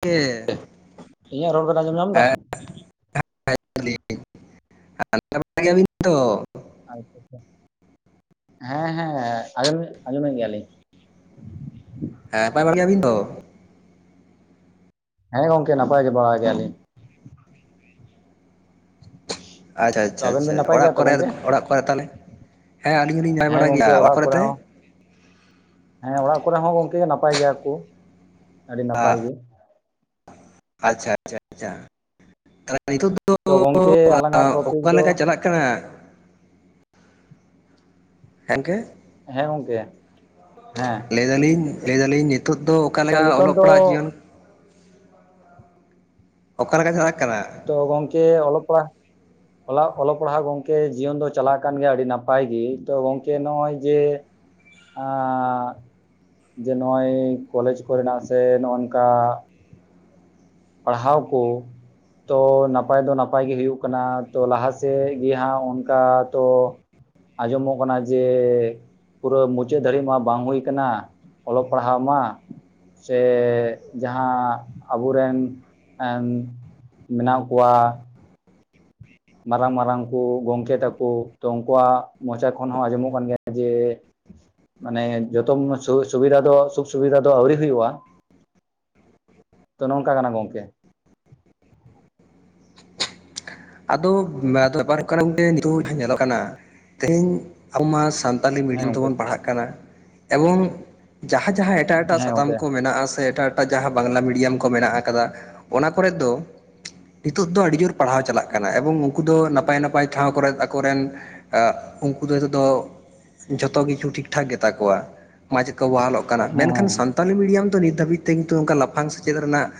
ᱛᱮᱻ ᱤᱧᱟᱹᱜ ᱨᱚᱲ ᱵᱮᱱ ᱟᱸᱡᱚᱢ ᱧᱟᱢ ᱮᱫᱟ? ᱟᱻ [unintelligible] ᱛᱚᱻ ᱟᱪᱪᱷᱟ ᱟᱪᱪᱷᱟ ᱦᱮᱸ ᱦᱮᱸ ᱟᱡᱚᱢ ᱟᱡᱚᱢᱮᱫ ᱜᱮᱭᱟᱞᱤᱧ ᱾ ᱦᱮᱸ ᱱᱟᱯᱟᱭ ᱵᱟᱲᱟ ᱜᱮᱭᱟ ᱵᱤᱱ ᱛᱚ? ᱦᱮᱸ ᱜᱚᱝᱠᱮ ᱱᱟᱯᱟᱭ ᱜᱮ ᱵᱟᱲᱟ ᱜᱮᱭᱟᱞᱤᱧ ᱾ ᱟᱪᱪᱷᱟ ᱛᱚ ᱟᱪᱪᱷᱟ ᱟᱵᱮᱱ ᱟᱪᱪᱷᱟ ᱵᱮᱱ ᱾ ᱱᱟᱯᱟᱭ ᱜᱮᱭᱟ ᱚᱲᱟᱜ ᱛᱚ ᱠᱚᱨᱮ ᱜᱚᱝᱠᱮ? ᱚᱲᱟᱜ ᱠᱚᱨᱮ ᱛᱟᱦᱚᱞᱮ? ᱦᱮᱸ ᱟᱞᱤᱧ ᱦᱚᱞᱤᱧ ᱧᱮᱞ ᱦᱮᱸ ᱵᱟᱲᱟ ᱜᱚᱝᱠᱮ ᱜᱮᱭᱟ ᱾ ᱚᱲᱟᱜ ᱠᱚᱨᱮ ᱦᱚᱸ ᱦᱮᱸ ᱚᱲᱟᱜ ᱠᱚᱨᱮ ᱦᱚᱸ ᱜᱚᱝᱠᱮ ᱱᱟᱯᱟᱭ ᱜᱮᱭᱟ ᱠᱚ ᱟᱹᱰᱤ ᱱᱟᱯᱟᱭ ᱜᱮ ᱟᱪᱪᱷᱟ ᱟᱪᱪᱷᱟ ᱟᱪᱪᱷᱟ ᱛᱟᱦᱞᱮ ᱱᱤᱛᱚᱜ ᱫᱚ ᱛᱚ ᱜᱚᱝᱠᱮ ᱟᱞᱟᱝᱟᱜ ᱴᱚᱯᱤᱠ ᱚᱠᱟ ᱫᱚ [unintelligible] ᱦᱮᱸᱜᱮᱸ ᱦᱮᱸ ᱜᱚᱝᱠᱮ ᱦᱮᱸ ᱞᱟᱹᱭᱫᱟᱞᱤᱧ ᱞᱟᱹᱭᱫᱟᱞᱤᱧ ᱱᱤᱛᱳ ᱫᱚ ᱚᱠᱟᱞᱮ ᱛᱚ ᱱᱤᱛᱚᱝ ᱚᱞᱚᱜ ᱫᱚ ᱯᱟᱲᱦᱟᱜ ᱡᱤᱭᱚᱱ ᱚᱠᱟ ᱞᱮᱠᱟ ᱪᱟᱞᱟᱜ ᱠᱟᱱᱟ ᱛᱚ ᱜᱚᱝᱠᱮ ᱚᱞᱚᱜ ᱯᱟᱲᱦᱟᱜ ᱚᱞᱚᱜ ᱚᱞᱚᱜ ᱯᱟᱲᱦᱟᱜ ᱜᱚᱝᱠᱮ ᱡᱤᱭᱚᱱ ᱫᱚ ᱪᱟᱞᱟᱜ ᱠᱟᱱ ᱜᱮᱭᱟ ᱟᱹᱰᱤ ᱱᱟᱯᱟᱭ ᱜᱮ ᱛᱚ ᱜᱚᱢᱠᱮ ᱱᱚᱜᱼᱚᱭ ᱡᱮ ᱟ.... ᱡᱮ ᱱᱚᱜᱼᱚᱭ ᱠᱚᱞᱮᱡ ᱠᱚᱨᱮᱱᱟᱜ ᱥᱮ ᱱᱚᱜᱼ ᱱᱚᱝᱠᱟ ᱯᱟᱲᱦᱟᱣ ᱠᱚ ᱛᱚ ᱱᱟᱯᱟᱭ ᱫᱚ ᱱᱟᱯᱟᱭ ᱜᱮ ᱦᱩᱭᱩᱜ ᱠᱟᱱᱟ ᱛᱚ ᱞᱟᱦᱟ ᱥᱮᱫ ᱜᱮ ᱦᱟᱸᱜ ᱚᱱᱠᱟ ᱛᱚ ᱟᱸᱡᱚᱢᱚᱜ ᱠᱟᱱᱟ ᱡᱮ ᱯᱩᱨᱟᱹ ᱢᱩᱪᱟᱹᱫ ᱫᱷᱟᱹᱨᱤᱡ ᱢᱟ ᱵᱟᱝ ᱦᱩᱭ ᱟᱠᱟᱱᱟ ᱚᱞᱚᱜ ᱯᱟᱲᱦᱟᱣ ᱢᱟ ᱥᱮ ᱡᱟᱦᱟᱸ ᱟᱵᱚᱨᱮᱱ ᱢᱮᱱᱟᱜ ᱠᱚᱣᱟ ᱢᱟᱨᱟᱝ ᱢᱟᱨᱟᱝ ᱠᱚ ᱜᱚᱢᱠᱮ ᱛᱟᱠᱚ ᱛᱚ ᱩᱱᱠᱩᱣᱟᱜ ᱢᱚᱪᱟ ᱠᱷᱚᱱ ᱦᱚᱸ ᱟᱸᱡᱚᱢᱚᱜ ᱠᱟᱱ ᱜᱮᱭᱟ ᱡᱮ ᱢᱟᱱᱮ ᱡᱚᱛᱚ ᱥᱩᱵᱤᱫᱟ ᱫᱚ ᱥᱩᱠ ᱥᱩᱵᱤᱫᱟ ᱫᱚ ᱟᱹᱣᱨᱤ ᱦᱩᱭᱩᱜᱼᱟ ᱛᱚ ᱱᱚᱝᱠᱟ ᱠᱟᱱᱟ ᱜᱚᱝᱠᱮ ᱟᱫᱚ ᱵᱮᱯᱟᱨ ᱦᱩᱭᱩᱜ ᱠᱟᱱᱟ ᱜᱚᱝᱠᱮ ᱱᱤᱛᱚᱜ ᱧᱮᱞᱚᱜ ᱠᱟᱱᱟ ᱛᱮᱦᱮᱧ ᱟᱵᱚ ᱢᱟ ᱥᱟᱱᱛᱟᱲ ᱥᱟᱱᱛᱟᱞᱤ ᱦᱮᱸ ᱢᱤᱰᱤᱭᱟᱢ ᱜᱚᱝᱠᱮ ᱛᱮᱵᱚᱱ ᱯᱟᱲᱦᱟᱜ ᱠᱟᱱᱟ ᱮᱵᱚᱝ ᱡᱟᱦᱟᱸ ᱡᱟᱦᱟᱸ ᱮᱴᱟᱜ ᱮᱴᱟᱜ ᱦᱮᱸ ᱥᱟᱛᱟᱢ ᱜᱚᱝᱠᱮ ᱠᱚ ᱦᱮᱸ ᱢᱮᱱᱟᱜᱼᱟ ᱥᱮ ᱮᱴᱟᱜ ᱮᱴᱟᱜ ᱡᱟᱦᱟᱸ ᱵᱟᱝᱞᱟ ᱢᱤᱰᱤᱭᱟᱢ ᱠᱚ ᱢᱮᱱᱟᱜ ᱟᱠᱟᱫᱟ ᱚᱱᱟ ᱠᱚᱨᱮᱫ ᱫᱚ ᱱᱤᱛᱳᱜ ᱫᱚ ᱟᱹᱰᱤ ᱡᱳᱨ ᱯᱟᱲᱦᱟᱣ ᱪᱟᱞᱟᱜ ᱠᱟᱱᱟ ᱠᱟᱱᱟ ᱮᱵᱚᱝ ᱩᱱᱠᱩ ᱫᱚ ᱱᱟᱯᱟᱭ ᱱᱟᱯᱟᱭ ᱴᱷᱟᱶ ᱠᱚᱨᱜ ᱟᱠᱚᱨᱮᱱ ᱟ ᱩᱱᱠᱩ ᱫᱚ ᱱᱤᱛᱮᱫ ᱫᱚ ᱡᱷᱚᱛᱚ ᱜᱮᱠᱩ ᱴᱷᱤᱠᱼᱴᱷᱟᱠ ᱜᱮᱛᱟ ᱠᱚᱣᱟ ᱢᱟᱪᱮᱫ ᱠᱚ ᱵᱚᱦᱟᱞᱚᱜ ᱠᱟᱱᱟ ᱦᱮᱸ ᱢᱮᱱᱠᱷᱟᱱ ᱥᱟᱱᱛᱟᱲ ᱥᱟᱱᱛᱟᱞᱤ ᱢᱤᱰᱟᱢ ᱫᱚ ᱱᱤᱛ ᱫᱷᱟᱹᱵᱤᱡ ᱛᱮ ᱠᱤᱱᱛᱩ ᱚᱱᱠᱟ ᱞᱟᱯᱷᱟᱝ ᱥᱮᱪᱮᱫ ᱨᱮᱱᱟᱜ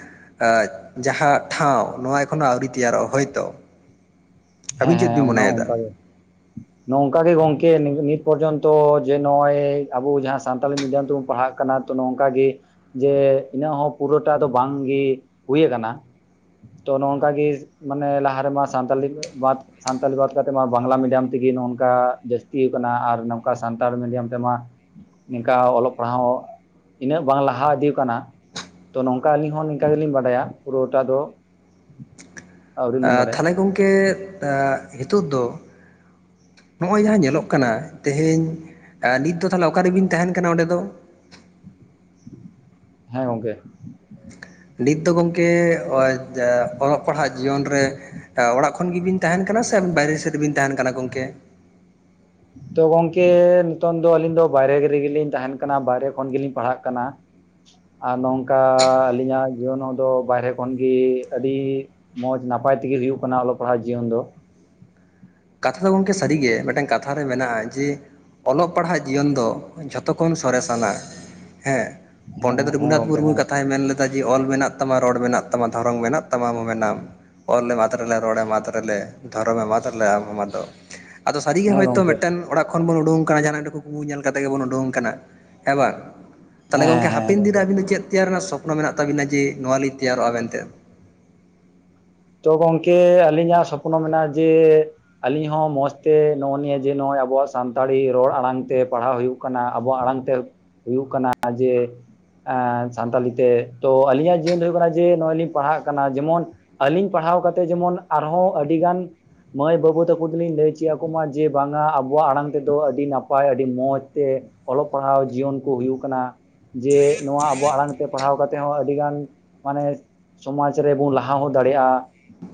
ᱡᱟᱦᱟᱸ ᱴᱷᱟᱶ ᱱᱚᱣᱟ ᱮᱠᱷᱚᱱᱚ ᱟᱹᱣᱨᱤ ᱛᱮᱭᱟᱨᱚᱜᱼᱟ ᱦᱳᱭᱛᱚ? ᱦᱮᱸ ᱟᱵᱤᱱ ᱪᱮᱫ ᱦᱮᱸ ᱵᱤᱱ ᱚᱱᱟ ᱦᱚᱸ ᱢᱚᱱᱮᱭᱮᱫᱟ ᱚᱱᱠᱟ ᱜᱮ ᱱᱚᱝᱠᱟ ᱜᱮ ᱜᱚᱝᱠᱮ ᱱᱤᱛ ᱯᱚᱨᱡᱚᱱᱛᱚ ᱡᱮ ᱱᱚᱜᱼᱚᱭ ᱟᱵᱚ ᱡᱟᱦᱟᱸ ᱥᱟᱱᱛᱟᱞᱤ ᱢᱤᱰᱤᱭᱟᱢ ᱛᱮᱵᱚᱱ ᱯᱟᱲᱦᱟᱜ ᱠᱟᱱᱟ ᱠᱟᱱᱟ ᱛᱚ ᱱᱚᱝᱠᱟᱜᱮ ᱡᱮ ᱤᱱᱟᱹᱜ ᱦᱚᱸ ᱯᱩᱨᱟᱹᱴᱟ ᱫᱚ ᱵᱟᱝᱜᱮ ᱦᱩᱭ ᱠᱟᱱᱟ ᱛᱚ ᱱᱚᱝᱠᱟᱜᱮ ᱢᱟᱱᱮ ᱞᱟᱦᱟ ᱨᱮᱢᱟ ᱥᱟᱱᱛᱟᱞᱤ ᱵᱟᱫ ᱥᱟᱱᱛᱟᱞᱤ ᱵᱟᱫ ᱠᱟᱛᱮᱫ ᱢᱟ ᱵᱟᱝᱞᱟ ᱢᱤᱰᱤᱭᱟᱢ ᱛᱮᱜᱮ ᱱᱚ ᱱᱚᱝᱠᱟ ᱡᱟᱹᱥᱛᱤ ᱦᱩᱭᱩᱜ ᱠᱟᱱᱟ ᱟᱨ ᱱᱚᱝᱠᱟ ᱥᱟᱱᱛᱟᱲ ᱢᱤᱰᱤᱭᱟᱢ ᱛᱮᱢᱟ ᱤᱱᱠᱟᱹ ᱚᱞᱚᱜ ᱯᱟᱲᱦᱟᱣ ᱤᱱᱟᱹᱜ ᱵᱟᱝ ᱞᱟᱦᱟ ᱤᱫᱤ ᱟᱠᱟᱱᱟ ᱛᱚ ᱱᱚᱝᱠᱟ ᱟᱹᱞᱤᱧ ᱦᱚᱸ ᱱᱚᱝᱠᱟ ᱜᱮᱞᱤᱧ ᱵᱟᱰᱟᱭᱟ ᱯᱩᱨᱟᱹᱴᱟ ᱫᱚ ᱟᱹᱣᱨᱤ ᱞᱤᱧ ᱵᱟᱰᱟᱭᱟ ᱛᱟᱦᱞᱮ ᱜᱚᱝᱠᱮ ᱱᱤᱛᱚᱜ ᱫᱚ ᱱᱚᱜ ᱚᱭ ᱡᱟᱦᱟᱸ ᱧᱮᱞᱚᱜ ᱠᱟᱱᱟ ᱛᱮᱦᱮᱧ ᱱᱤᱛ ᱫᱚ ᱛᱟᱦᱚᱞᱮ ᱚᱠᱟᱨᱮᱵᱤᱱ ᱛᱟᱦᱮᱱ ᱠᱟᱱᱟ ᱚᱸᱰᱮ ᱫᱚ ᱦᱮᱸ ᱜᱚᱝᱠᱮ ᱱᱤᱛ ᱫᱚ ᱜᱚᱝᱠᱮ ᱚᱞᱚᱜ ᱯᱟᱲᱦᱟᱜ ᱡᱤᱭᱚᱱ ᱨᱮ ᱚᱲᱟᱜ ᱠᱷᱚᱱ ᱜᱮᱵᱤᱱ ᱛᱟᱦᱮᱱ ᱠᱟᱱᱟ ᱥᱮᱵ ᱵᱟᱭᱨᱮ ᱥᱮᱫ ᱵᱟᱨᱦᱮ ᱥᱮ ᱨᱮᱵᱤᱱ ᱛᱟᱦᱮᱱ ᱠᱟᱱᱟ ᱜᱚᱝᱠᱮ ᱛᱚ ᱜᱚᱝᱠᱮ ᱱᱤᱛᱚᱝ ᱫᱚ ᱟᱹᱞᱤᱧ ᱫᱚ ᱵᱟᱭᱨᱮ ᱨᱮᱜᱮᱞᱤᱧ ᱛᱟᱦᱮᱱ ᱠᱟᱱᱟ ᱵᱟᱭᱨᱮ ᱠᱷᱚᱱ ᱜᱮᱞᱤᱧ ᱯᱟᱲᱦᱟᱜ ᱠᱟᱱᱟ ᱟᱨ ᱱᱚᱝᱠᱟ ᱟᱹᱞᱤᱧᱟᱜ ᱡᱤᱭᱚᱱ ᱫᱚ ᱵᱟᱭᱨᱮ ᱠᱷᱚᱱᱜᱮ ᱟᱹᱰᱤ ᱢᱚᱸᱡ ᱱᱟᱯᱟᱭ ᱛᱮᱜᱮ ᱦᱩᱭᱩᱜ ᱠᱟᱱᱟ ᱚᱞᱚᱜ ᱯᱟᱲᱦᱟᱜ ᱡᱤᱭᱚᱱ ᱫᱚ᱾ ᱠᱟᱛᱷᱟ ᱫᱚ ᱜᱚᱝᱠᱮ ᱥᱟᱹᱨᱤᱜᱮ ᱢᱤᱫᱴᱟᱝ ᱠᱟᱛᱷᱟ ᱨᱮ ᱢᱮᱱᱟᱜᱼᱟ ᱡᱮ ᱚᱞᱚᱜ ᱯᱟᱲᱦᱟᱜ ᱡᱤᱭᱚᱱ ᱫᱚ ᱡᱷᱚᱛᱚ ᱠᱷᱚᱱ ᱥᱚᱨᱮᱥᱟᱱᱟ ᱦᱮᱸ᱾ ᱦᱮᱸ ᱯᱚᱱᱰᱤᱛ ᱦᱮᱸ ᱨᱚᱜᱷᱩᱱᱟᱛᱷ ᱜᱚᱝᱠᱮ ᱢᱩᱨᱢᱩ ᱦᱮᱸ ᱠᱟᱛᱷᱟᱭ ᱢᱮᱱ ᱞᱮ ᱚᱞ ᱢᱮᱱᱟᱜ ᱛᱟᱢᱟ ᱨᱚᱲ ᱢᱮᱱᱟᱜ ᱛᱟᱢᱟ ᱫᱷᱚᱨᱚᱢ ᱢᱮᱱᱟᱜ ᱛᱟᱢᱟ ᱟᱢ ᱦᱚᱸ ᱢᱮᱱᱟᱢ ᱚᱞᱮᱢ ᱟᱫ ᱞᱮᱨᱮ ᱨᱚᱲᱮᱢ ᱟᱫ ᱞᱮᱨᱮ ᱫᱷᱚᱨᱚᱢᱮᱢ ᱟᱫ ᱨᱮᱞᱮ ᱞᱮᱨᱮ ᱟᱢ ᱦᱚᱢ ᱟᱫᱚᱜ, ᱟᱫᱚ ᱥᱟᱹᱨᱤᱜᱮ ᱦᱮᱸ ᱦᱚᱭᱛᱳ ᱜᱚᱝᱠᱮ ᱢᱤᱫᱴᱟᱝ ᱚᱲᱟᱜ ᱠᱷᱚᱱ ᱵᱚᱱ ᱩᱰᱩᱝ ᱠᱟᱱᱟ ᱡᱟᱦᱟᱱᱟᱜ ᱢᱤᱫ ᱴᱟᱝ ᱠᱩᱠᱢᱩ ᱧᱮᱞ ᱠᱟᱛᱮ ᱜᱮᱵᱚᱱ ᱩᱰᱩᱝ ᱠᱟᱱᱟ ᱦᱮᱸ ᱵᱟᱝ ᱛᱟᱦᱚᱞᱮ ᱦᱮᱸ ᱦᱮᱸ ᱜᱚᱝᱠᱮ ᱦᱮᱸ ᱦᱟᱯᱮᱱ ᱫᱤᱱ ᱨᱮ ᱟᱵᱤᱱ ᱫᱚ ᱪᱮᱫ ᱛᱮᱭᱟᱨ ᱨᱮᱱᱟᱜ ᱥᱚᱯᱱᱚ ᱢᱮᱱᱟᱜ ᱛᱟᱵᱤᱱᱟ ᱡᱮ ᱱᱚᱭᱟ ᱞᱤᱧ ᱛᱮᱭᱟᱨᱚᱜᱼᱟ ᱢᱮᱱᱛᱮ ᱛᱚ ᱜᱚᱝᱠᱮ ᱟᱹᱞᱤᱧᱟᱜ ᱥᱚᱯᱱᱚ ᱢᱮᱱᱟᱜᱼᱟ ᱡᱮ ᱟᱞᱤᱧ ᱦᱚᱸ ᱢᱚᱸᱡᱽᱛᱮ ᱱᱚᱜᱼᱚ ᱱᱤᱭᱟᱹ ᱡᱮ ᱱᱚᱜᱼᱚᱭ ᱟᱵᱚᱣᱟᱜ ᱥᱟᱱᱛᱟᱲᱤ ᱨᱚᱲ ᱟᱲᱟᱝ ᱛᱮ ᱯᱟᱲᱦᱟᱣ ᱦᱩᱭᱩᱜ ᱟᱵᱚᱣᱟᱜ ᱟᱲᱟᱝ ᱛᱮ ᱦᱩᱭᱩᱜ ᱠᱟᱱᱟ ᱡᱮ ᱥᱟᱱᱛᱟᱲᱤ ᱛᱮ ᱛᱚ ᱟᱹᱞᱤᱧᱟᱜ ᱡᱤᱭᱚᱱ ᱫᱚ ᱦᱩᱭᱩᱜ ᱠᱟᱱᱟ ᱡᱮ ᱱᱚᱜᱼᱚᱭ ᱞᱤᱧ ᱯᱟᱲᱦᱟᱜ ᱠᱟᱱᱟ ᱡᱮᱢᱚᱱ ᱟᱹᱞᱤᱧ ᱯᱟᱲᱦᱟᱣ ᱠᱟᱛᱮ ᱡᱮᱢᱚᱱ ᱟᱨᱦᱚᱸ ᱟᱹᱰᱤᱜᱟᱱ ᱢᱟᱹᱭ ᱵᱟᱹᱵᱩ ᱛᱟᱠᱚ ᱫᱚᱞᱤᱧ ᱞᱟᱹᱭ ᱪᱮᱫ ᱟᱠᱚᱢᱟ ᱡᱮ ᱵᱟᱝᱟ ᱟᱵᱚᱣᱟᱜ ᱟᱲᱟᱝ ᱛᱮᱫᱚ ᱟᱹᱰᱤ ᱱᱟᱯᱟᱭ ᱟᱹᱰᱤ ᱢᱚᱡᱽ ᱛᱮ ᱚᱞᱚᱜ ᱯᱟᱲᱦᱟᱣ ᱡᱤᱭᱚᱱ ᱠᱚ ᱦᱩᱭᱩᱜ ᱠᱟᱱᱟ᱾ ᱡᱮ ᱱᱚᱣᱟ ᱟᱵᱚ ᱟᱲᱟᱝ ᱛᱮ ᱯᱟᱲᱦᱟᱣ ᱠᱟᱛᱮ ᱦᱚᱸ ᱟᱹᱰᱤᱜᱟᱱ ᱢᱟᱱᱮ ᱥᱚᱢᱟᱡ ᱨᱮᱵᱚᱱ ᱞᱟᱦᱟ ᱦᱚᱸ ᱫᱟᱲᱮᱭᱟᱜᱼᱟ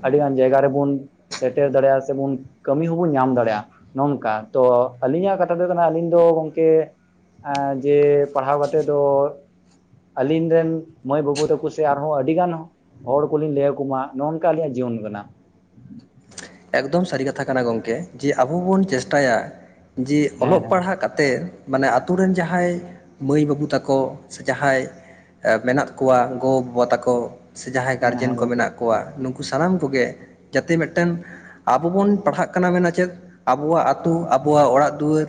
ᱟᱹᱰᱤᱜᱟᱱ ᱡᱟᱭᱜᱟ ᱨᱮᱵᱚᱱ ᱥᱮᱴᱮᱨ ᱫᱟᱲᱮᱭᱟᱜᱼᱟ ᱥᱮᱵᱚᱱ ᱠᱟᱹᱢᱤ ᱦᱚᱸᱵᱚᱱ ᱧᱟᱢ ᱫᱟᱲᱮᱭᱟᱜᱼᱟ᱾ ᱱᱚᱝᱠᱟ ᱛᱚ ᱟᱹᱞᱤᱧᱟᱜ ᱠᱟᱛᱷᱟ ᱛᱮᱫᱚ ᱱᱟᱦᱟᱜ ᱟᱹᱞᱤᱧ ᱫᱚ ᱜᱚᱝᱠᱮ᱾ ᱟ. ᱡᱮ ᱯᱟᱲᱦᱟᱣ ᱠᱟᱛᱮᱫ ᱫᱚ᱾ ᱟᱞᱤᱧ ᱨᱮᱱ ᱢᱟᱹᱭ ᱵᱟᱹᱵᱩ ᱛᱟᱠᱚ ᱥᱮ ᱟᱨᱦᱚᱸ ᱟᱹᱰᱤ ᱜᱟᱱ ᱦᱚᱲ ᱠᱚᱞᱤᱧ ᱞᱟᱹᱭ ᱠᱩ ᱢᱟ ᱱᱚᱝᱠᱟ ᱟᱞᱤᱧᱟᱜ ᱡᱤᱭᱚᱱ ᱠᱟᱱᱟ᱾ ᱮᱠᱫᱚᱢ ᱥᱟᱹᱨᱤ ᱠᱟᱛᱷᱟ ᱠᱟᱱᱟ ᱜᱚᱝᱠᱮ ᱡᱮ ᱟᱵᱚ ᱵᱚᱱ ᱪᱮᱥᱴᱟᱭᱟ ᱡᱮ ᱦᱮᱸ ᱚᱞᱚᱜ ᱯᱟᱲᱦᱟᱜ ᱠᱟᱛᱷᱟ ᱛᱮ ᱢᱟᱱᱮ ᱟᱛᱳ ᱨᱮᱱ ᱡᱟᱦᱟᱸᱭ ᱢᱟᱹᱭ ᱵᱟᱹᱵᱩ ᱛᱟᱠᱚ ᱥᱮ ᱡᱟᱦᱟᱸᱭ ᱢᱮᱱᱟᱜ ᱠᱚᱣᱟ ᱜᱚ ᱵᱟᱵᱟ ᱛᱟᱠᱚ᱾ ᱥᱮ ᱡᱟᱦᱟᱸᱭ ᱦᱮᱸ ᱦᱮᱸ ᱦᱮᱸ ᱜᱟᱨᱡᱮᱱ ᱠᱚ ᱜᱚᱝᱠᱮ ᱢᱮᱱᱟᱜ ᱠᱚᱣᱟ ᱱᱩᱠᱩ ᱥᱟᱱᱟᱢ ᱠᱚᱜᱮ ᱡᱟᱛᱮ ᱢᱤᱫᱴᱮᱱ ᱟᱵᱚ ᱵᱚᱱ ᱯᱟᱲᱦᱟᱜ ᱠᱟᱱᱟ ᱢᱮᱱᱟ ᱪᱮᱫ ᱟᱵᱚᱣᱟᱜ ᱟᱹᱛᱩ ᱟᱵᱚᱣᱟᱜ ᱚᱲᱟᱜ ᱫᱩᱣᱟᱹᱨ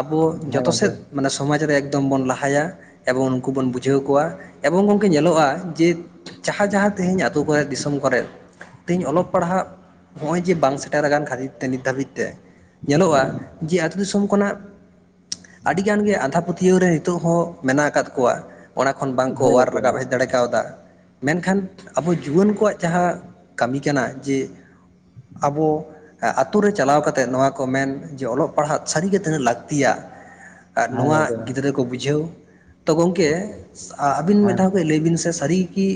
ᱟᱵᱚ ᱦᱮᱸ ᱡᱚᱛᱚ ᱜᱚᱝᱠᱮ ᱥᱮᱫ ᱢᱟᱱᱮ ᱥᱚᱢᱟᱡᱽ ᱨᱮ ᱮᱠᱫᱚᱢ ᱵᱚᱱ ᱞᱟᱦᱟᱭᱟ᱾ ᱮᱵᱚᱝ ᱩᱱᱠᱩ ᱵᱚᱱ ᱵᱩᱡᱷᱟᱹᱣ ᱠᱚᱣᱟ ᱮᱵᱚᱝ ᱜᱚᱝᱠᱮ ᱧᱮᱞᱚᱜᱼᱟ ᱡᱮ ᱡᱟᱦᱟᱸ ᱡᱟᱦᱟᱸ ᱛᱮᱤᱦᱤᱧ ᱟᱹᱛᱩ ᱠᱚᱨᱮ ᱫᱤᱥᱚᱢ ᱠᱚᱨᱮᱫ ᱛᱮᱦᱤᱧ ᱚᱞᱚᱜ ᱯᱟᱲᱦᱟᱜ ᱱᱚᱜᱼᱚᱭ ᱡᱮ ᱵᱟᱝ ᱥᱮᱴᱮᱨ ᱟᱠᱟᱱ ᱠᱷᱟᱹᱛᱤᱨ ᱛᱮ ᱱᱤᱛ ᱫᱷᱟᱹᱵᱤᱡ ᱛᱮ ᱧᱮᱞᱚᱜᱼᱟ ᱡᱮ ᱟᱛᱩ ᱫᱤᱥᱚᱢ ᱠᱷᱚᱱᱟᱜ ᱟᱹᱰᱤᱜᱟᱱ ᱜᱮ ᱟᱸᱫᱷᱟᱯᱟᱹᱛᱭᱟᱹᱣ ᱨᱮ ᱱᱤᱛᱚᱜ ᱦᱚᱸ ᱢᱮᱱᱟᱜ ᱟᱠᱟᱫ ᱠᱚᱣᱟ᱾ ᱚᱱᱟ ᱠᱷᱚᱱ ᱵᱟᱝᱠᱚ ᱦᱮᱸ ᱚᱣᱟᱨ ᱜᱚᱝᱠᱮ ᱨᱟᱠᱟᱵ ᱦᱮᱡ ᱫᱟᱲᱮ ᱠᱟᱣᱫᱟ ᱢᱮᱱᱠᱷᱟᱱ ᱟᱵᱚ ᱡᱩᱣᱟᱹᱱ ᱠᱚᱣᱟᱜ ᱡᱟᱦᱟᱸ ᱠᱟᱹᱢᱤ ᱠᱟᱱᱟ ᱡᱮ ᱟᱵᱚ ᱟᱛᱳ ᱨᱮ ᱪᱟᱞᱟᱣ ᱠᱟᱛᱮᱜ ᱱᱚᱣᱟ ᱠᱚ ᱢᱮᱱ ᱡᱮ ᱚᱞᱚᱜ ᱯᱟᱲᱦᱟᱜ ᱥᱟᱹᱨᱤᱜᱮ ᱛᱤᱱᱟᱹᱜ ᱞᱟᱹᱠᱛᱤᱭᱟ᱾ ᱟᱨ ᱦᱮᱸ ᱱᱚᱣᱟ ᱜᱚᱝᱠᱮ ᱜᱤᱫᱽᱨᱟᱹ ᱠᱚ ᱵᱩᱡᱷᱟᱹᱣ ᱛᱚ ᱜᱚᱢᱠᱮ᱾ ᱟᱹᱵᱤᱱ ᱦᱮᱸ ᱢᱤᱴᱟ ᱡᱮ ᱞᱟᱹᱭ ᱵᱤᱱ ᱥᱮ ᱥᱟᱹᱨᱤᱜᱤ ᱠᱤ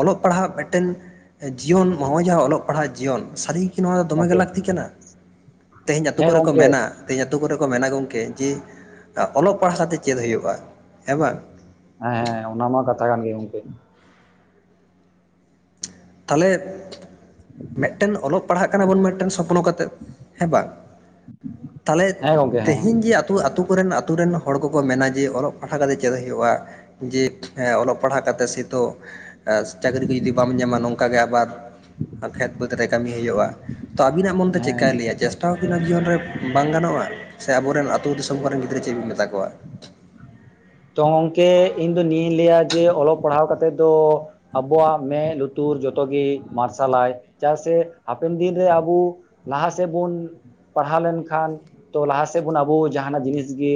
ᱚᱞᱚᱜ ᱯᱟᱲᱦᱟᱜ ᱢᱤᱫᱴᱮᱱ ᱡᱤᱭᱚᱱ ᱱᱚᱭ ᱡᱮ ᱚᱞᱚᱜ ᱯᱟᱲᱦᱟᱜ ᱡᱤᱭᱚᱱ ᱥᱟᱹᱨᱤ ᱠᱤ ᱱᱚᱶᱟ ᱫᱚᱢᱮ ᱜᱮ ᱜᱚᱝᱠᱮ ᱞᱟᱹᱠᱛᱤ ᱠᱟᱱᱟ ᱛᱮᱦᱮᱧ ᱟᱛᱳ ᱦᱮᱸ ᱠᱚᱨᱮ ᱠᱚ ᱜᱚᱝᱠᱮ ᱢᱮᱱᱟᱼᱼ ᱛᱮᱦᱮᱧ ᱟᱛᱳ ᱠᱚᱨᱮ ᱠᱚ ᱢᱮᱱᱟ ᱜᱚᱝᱠᱮ ᱡᱮ ᱚᱞᱚᱜ ᱯᱟᱲᱦᱟᱣ ᱠᱟᱛᱮ ᱪᱮᱫ ᱦᱩᱭᱩᱜᱼᱟ ᱦᱮᱸ ᱵᱟᱝ? ᱦᱮᱸ ᱦᱮᱸ ᱚᱱᱟ ᱢᱟ ᱠᱟᱛᱷᱟ ᱠᱟᱱ ᱜᱮ ᱜᱚᱝᱠᱮ᱾ ᱛᱟᱦᱚᱞᱮ᱾ ᱢᱤᱫᱴᱮᱱ ᱚᱞᱚᱜ ᱯᱟᱲᱦᱟᱜ ᱠᱟᱱᱟ ᱵᱚᱱ ᱢᱤᱫᱴᱮᱱ ᱥᱚᱯᱱᱚ ᱠᱟᱛᱮᱜ ᱦᱮᱸ ᱵᱟᱝ? ᱛᱟᱦᱚᱞᱮ ᱦᱮᱸ ᱜᱚᱝᱠᱮ ᱦᱮᱸ ᱛᱮᱦᱮᱧ ᱡᱮ ᱟᱛ ᱟᱹᱛᱩᱳ ᱟᱛᱳ ᱠᱚᱨᱮᱱ ᱟ ᱟᱹᱛᱩᱳ ᱨᱮᱱ ᱦᱚᱲ ᱠᱚᱠᱚ ᱢᱮᱱᱟ ᱡᱮ ᱚᱞᱚᱜ ᱯᱟᱲᱦᱟᱣ ᱠᱟᱛᱮᱫ ᱪᱮᱫ ᱦᱩᱭᱩᱜᱼᱟ᱾ ᱡᱮᱸ ᱚᱞᱚᱜ ᱯᱟᱲᱦᱟᱜ ᱠᱟᱛᱮᱫ ᱥᱮᱛᱚ ᱪᱟᱹᱠᱨᱤ ᱠᱚ ᱡᱩᱫᱤ ᱵᱟᱢ ᱧᱟᱢᱟ ᱱᱚᱝᱠᱟᱜᱮ ᱟᱵᱟᱨ ᱠᱷᱮᱛ ᱵᱟᱹᱫᱽ ᱨᱮ ᱠᱟᱹᱢᱤ ᱦᱩᱭᱩᱜᱼᱟ᱾ ᱛᱚ ᱟᱵᱤᱱᱟᱜ ᱢᱚᱱ ᱛᱮ ᱦᱮᱸ ᱪᱮᱫᱠᱟᱭ ᱞᱟᱹᱭᱟ ᱪᱟᱥ ᱠᱷᱟᱴᱟᱣ ᱠᱤᱱᱟᱢ ᱡᱤᱭᱚᱱ ᱨᱮ ᱵᱟᱝ ᱜᱟᱱᱚᱜᱼᱟ, ᱥᱮ ᱟᱵᱚᱨᱮᱱ ᱟᱹᱛᱳ ᱫᱤᱥᱚᱢ ᱠᱚᱨᱮᱱ ᱜᱤᱫᱽᱨᱟᱹ ᱪᱮᱫ ᱵᱤᱱ ᱢᱮᱛᱟ ᱠᱚᱣᱟ? [inaudible] ᱛᱚ ᱜᱚᱝᱠᱮ ᱤᱧ ᱫᱚ ᱱᱤᱭᱟᱹᱧ ᱞᱟᱹᱭᱟ ᱡᱮ ᱚᱞᱚᱜ ᱯᱟᱲᱦᱟᱣ ᱠᱟᱛᱮ ᱫᱚ ᱟᱵᱚᱣᱟᱜ ᱢᱮᱫ ᱞᱩᱛᱩᱨ ᱡᱚᱛᱚ ᱜᱮ ᱢᱟᱨᱥᱟᱞᱟᱭ ᱪᱮᱫᱟᱜ ᱥᱮ ᱦᱟᱯᱮᱱ ᱫᱤᱱᱨᱮ ᱟᱵᱚ ᱞᱟᱦᱟ ᱥᱮᱫ ᱵᱚᱱ ᱯᱟᱲᱦᱟᱣ ᱞᱮᱱᱠᱷᱟᱱ ᱛᱚ ᱞᱟᱦᱟ ᱥᱮᱫ ᱵᱚᱱ ᱟᱵᱚ ᱡᱟᱦᱟᱱᱟᱜ ᱡᱤᱱᱤᱥ ᱜᱮ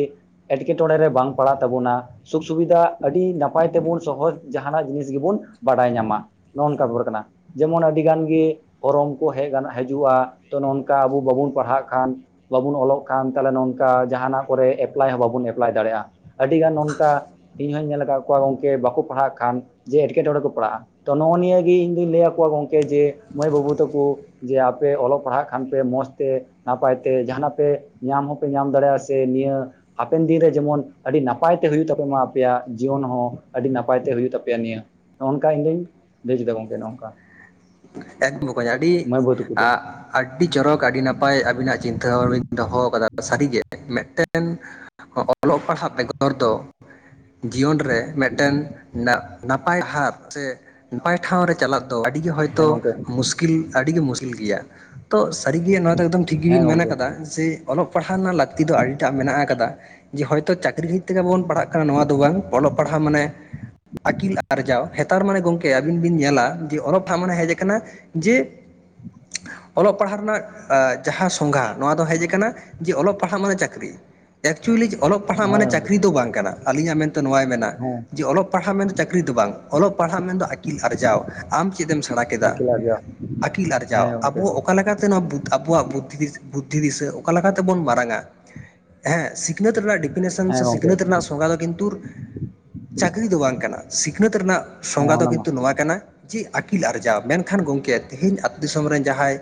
ᱮᱸᱴᱠᱮᱴᱚᱬᱮ ᱴᱚᱬᱮ [unintelligible] ᱨᱮ ᱵᱟᱝ ᱯᱟᱲᱟᱜ ᱛᱟᱵᱚᱱᱟ᱾ ᱥᱩᱠ ᱥᱩᱵᱤᱫᱷᱟ ᱟᱹᱰᱤ ᱱᱟᱯᱟᱭ ᱛᱮᱵᱚᱱ ᱥᱚᱦᱚᱡ ᱡᱟᱦᱟᱱᱟᱜ ᱡᱤᱱᱤᱥ ᱜᱮᱵᱚᱱ ᱵᱟᱰᱟᱭ ᱧᱟᱢᱟ᱾ ᱱᱚᱼ ᱱᱚᱝᱠᱟᱯᱩᱨ ᱟᱠᱟᱱᱟ᱾ ᱡᱮᱢᱚᱱ ᱟᱹᱰᱤᱜᱟᱱ ᱜᱮ ᱯᱷᱨᱚᱝ ᱠᱚ ᱦᱮᱡ ᱦᱤᱡᱩᱜᱼᱟ ᱛᱚ ᱱᱚᱝᱠᱟ ᱟᱵᱚ ᱵᱟᱵᱚᱱ ᱯᱟᱲᱦᱟᱜ ᱠᱷᱟᱱ᱾ ᱵᱟᱵᱚᱱ ᱚᱞᱚᱜ ᱠᱟᱱ ᱛᱟᱦᱚᱞᱮ ᱱᱚᱝᱠᱟ ᱡᱟᱦᱟᱱᱟᱜ ᱠᱚᱨᱮ ᱮᱯᱞᱟᱭ ᱦᱚᱸ ᱵᱟᱵᱚᱱ ᱮᱯ ᱮᱯᱞᱟᱭ ᱫᱟᱲᱮᱭᱟᱜᱼᱟ, ᱟᱹᱰᱤᱜᱟᱱ ᱱᱚᱝᱠᱟ ᱤᱧ ᱦᱚᱧ ᱧᱮᱞ ᱠᱟᱜ ᱠᱚᱣᱟ, ᱜᱚᱢᱠᱮ ᱵᱟᱠᱚ ᱯᱟᱲᱦᱟᱜ ᱠᱷᱟᱱ ᱡᱮ ᱮᱴᱠᱮᱴᱚᱬᱮ ᱠᱚ ᱯᱟᱲᱟᱜᱼᱟ᱾ ᱛᱚ ᱱᱚᱜᱼᱚ ᱱᱤᱭᱟᱹ ᱜᱮ ᱤᱧ ᱫᱩᱧ ᱞᱟᱹᱭ ᱟᱠᱚᱣᱟ ᱜᱚᱝᱠᱮ ᱡᱮ ᱢᱟᱹᱭ ᱵᱟᱹᱵᱩ ᱛᱟᱠᱚ ᱡᱮ ᱟᱯᱮ ᱚᱞᱚᱜ ᱯᱟᱲᱦᱟᱜ ᱠᱷᱟᱱ ᱯᱮ ᱢᱚᱡᱽ ᱛᱮ ᱱᱟᱯᱟᱭ ᱛᱮ ᱡᱟᱦᱟᱱᱟᱜ ᱯᱮ ᱧᱟᱢ ᱦᱚᱸᱯᱮ ᱧᱟᱢ ᱫᱟᱲᱮᱭᱟᱜᱼᱟ ᱥᱮ ᱱᱤᱭᱟᱹ ᱦᱟᱯᱮᱱ ᱫᱤᱱᱨᱮ ᱡᱮᱢᱚᱱ ᱟᱹᱰᱤ ᱱᱟᱯᱟᱭ ᱛᱮ ᱦᱩᱭᱩᱜᱭ ᱛᱟᱯᱮ ᱢᱟ ᱟᱯᱮᱭᱟᱜ ᱡᱤᱭᱚᱱ ᱦᱚᱸ ᱟᱹᱰᱤ ᱱᱟᱯᱟᱭ ᱛᱮ ᱦᱩᱭᱩᱜ ᱛᱟᱯᱮᱭᱟ ᱱᱤᱭᱟᱹ ᱱᱚᱜ ᱱᱚᱝᱠᱟ ᱤᱧᱫᱩᱧ ᱞᱟᱭᱪᱚ ᱮᱫᱟ ᱜᱚᱝᱠᱮ ᱱᱚᱜ ᱱᱚᱝᱠᱟ᱾ ᱮᱠᱫᱚᱢ ᱵᱚᱠᱚᱧ ᱟᱹᱰᱤ ᱢᱟᱹᱭ ᱵᱟᱹᱵᱩ ᱛᱟᱠᱚ ᱫᱚ ᱟᱸ ᱟᱹᱰᱤ ᱪᱚᱨᱚᱠ, ᱟᱹᱰᱤ ᱱᱟᱯᱟᱭ, ᱟᱹᱵᱤᱱᱟᱜ ᱪᱤᱱᱛᱟᱹ ᱵᱷᱟᱵᱱᱟ ᱵᱤᱱ ᱫᱚᱦᱚ ᱠᱟᱫᱟ ᱥᱟᱹᱨᱤᱜᱮ ᱢᱮᱫᱴᱮᱱ ᱚᱞᱚᱜ ᱯᱟᱲᱦᱟᱜ ᱵᱮᱜᱚᱨ ᱫᱚ ᱡᱤᱭᱚᱱ ᱨᱮ ᱢᱮᱫᱴᱮᱱ ᱱᱟᱯᱟᱭ ᱦᱟᱜ ᱥᱮ ᱱᱟᱯᱟᱭ ᱴᱷᱟᱶ ᱨᱮ ᱪᱟᱞᱟᱜ ᱫᱚ ᱟᱹᱰᱤ ᱜᱮ ᱦᱚᱭᱛ ᱦᱮᱸ ᱜᱚᱝᱠᱮ ᱢᱩᱥᱠᱤᱞ ᱟᱹᱰᱤᱜᱮ ᱢᱩᱥᱠᱤᱞ ᱜᱮᱭᱟ᱾ ᱛᱚ ᱥᱟᱹᱨᱤᱜᱮ ᱱᱚᱣᱟ ᱫᱚ ᱮᱠᱫᱚᱢ ᱴᱷᱤᱠ ᱜᱮᱵᱧ ᱦᱮᱸ ᱢᱮᱱ ᱜᱚᱝᱠᱮ ᱟᱠᱟᱫᱟ ᱡᱮ ᱚᱞᱚᱜ ᱯᱟᱲᱦᱟᱣ ᱨᱮᱱᱟᱜ ᱞᱟᱹᱠᱛᱤ ᱫᱚ ᱟᱹᱰᱤᱴᱟᱜ ᱢᱮᱱᱟᱜ ᱠᱟᱫᱟ ᱡᱮ ᱦᱚᱭᱛᱚ ᱪᱟᱹᱠᱨᱤ ᱛᱤᱱᱟᱹᱜ ᱵᱚᱱ ᱯᱟᱲᱦᱟᱜ ᱠᱟᱱᱟ ᱱᱚᱣᱟ ᱫᱚ ᱵᱟᱝ ᱚᱞᱚᱜ ᱯᱟᱲᱦᱟᱜ ᱢᱟᱱᱮ ᱟᱹᱠᱤᱞ ᱟᱨᱡᱟᱣ, ᱦᱮᱛᱟᱨ ᱢᱟᱱᱮ ᱜᱚᱝᱠᱮ ᱟᱵᱤᱱ ᱵᱤᱱ ᱧᱮᱞᱟ ᱡᱮ ᱚᱞᱜ ᱴᱟᱜ ᱢᱟᱱᱮ ᱠᱟᱱᱟ, ᱡᱮ ᱚᱞᱚᱜ ᱯᱟᱲᱦᱟᱜ ᱨᱮᱱᱟᱜ ᱡᱟᱦᱟᱸ ᱥᱚᱝᱜᱷᱟ, ᱱᱚᱣᱟ ᱫᱚ ᱦᱮᱡ ᱟᱠᱟᱱᱟ ᱡᱮ ᱚᱞᱚᱜ ᱯᱟᱲᱦᱟᱜ ᱢᱟᱱᱮ ᱪᱟᱹᱠᱨᱤ᱾ ᱮᱠᱪᱩᱭᱮᱞᱤ ᱚᱞᱚᱜ ᱯᱟᱲᱦᱟᱜ ᱦᱮᱸ ᱢᱟᱱᱮ ᱜᱚᱝᱠᱮ ᱪᱟᱹᱠᱨᱤ ᱫᱚ ᱵᱟᱝ ᱠᱟᱱᱟ ᱟᱹᱞᱤᱧᱟᱜ ᱢᱮᱱᱛᱮ ᱱᱚᱟᱭ ᱢᱮᱱᱟ᱾ ᱦᱮᱸ ᱡᱮ ᱚᱞᱚᱜ ᱯᱟᱲᱦᱟᱜ ᱢᱮᱱᱫᱚ ᱪᱟᱹᱠᱨᱤ ᱫᱚ ᱵᱟᱝ, ᱚᱞᱚᱜ ᱯᱟᱲᱦᱟᱜ ᱢᱮᱱᱫᱚ ᱟᱹᱠᱤᱞ ᱟᱨᱡᱟᱣ, ᱟᱢ ᱪᱮᱫ ᱮᱢ ᱥᱮᱬᱟ ᱠᱮ ᱠᱮᱫᱟ᱾ ᱟᱹᱠᱤᱞ ᱟᱨᱡᱟᱣ ᱟᱹᱠᱤᱞ ᱦᱮᱸ ᱟᱨᱡᱟᱣ ᱜᱚᱝᱠᱮ ᱟᱵᱚ ᱚᱠᱟ ᱚᱠᱟ ᱞᱮᱠᱟᱛᱮ ᱱᱚᱣᱟ ᱟᱵᱚᱣᱟᱜ ᱵᱩᱫᱽᱫᱷᱤ ᱫᱤᱥᱟᱹ ᱚᱠᱟ ᱞᱮᱠᱟᱛᱮ ᱵᱚᱱ ᱢᱟᱨᱟᱝᱟ᱾ ᱦᱮᱸᱥᱤᱠ ᱥᱤᱠᱷᱱᱟᱹᱛ ᱨᱮᱱᱟᱜ ᱰᱤᱯᱷᱤᱱᱮᱥᱚᱱ ᱦᱮᱸ ᱥᱮ, ᱜᱚᱝᱠᱮ ᱥᱤᱠᱷᱱᱟᱹᱛ ᱨᱮᱱᱟᱜ ᱥᱚᱝᱜᱟ ᱫᱚ ᱠᱤᱱᱛᱩ ᱪᱟᱹᱠᱨᱤ ᱫᱚ ᱵᱟᱝ ᱠᱟᱱᱟ᱾ ᱥᱤᱠᱷᱱᱟᱹᱛ ᱨᱮᱱᱟᱜ ᱦᱮᱸ ᱥᱚᱝᱜᱟ ᱫᱚ ᱚᱱᱟ ᱢᱟ ᱠᱤᱱᱛᱩ ᱱᱚᱣᱟ ᱠᱟᱱᱟ᱾ ᱡᱮ ᱟᱹᱠᱤᱞ ᱟᱨᱡᱟᱣ ᱢᱮᱱᱠᱷᱟᱱ ᱜᱚᱝᱠᱮ ᱛᱮᱦᱮᱧ ᱟᱹᱛᱩ ᱫᱤᱥᱚᱢ ᱨᱮᱱ ᱡᱟᱦᱟᱸᱭ